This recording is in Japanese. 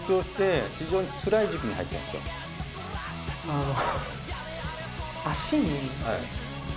あの。